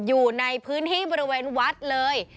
อยู่ในพื้นที่บริเวณวัดเลย